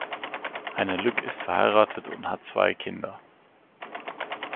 Heiner Lück ist verheiratet und hat zwei Kinder.